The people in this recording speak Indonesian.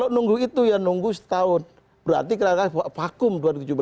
tunggu itu ya nunggu setahun berarti kira kira vakum dua ribu tujuh belas